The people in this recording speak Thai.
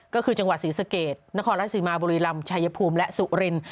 ก็คือจังหวัดศรีสะเกดนครราชสีมาบุรีรำชายภูมิและสุริน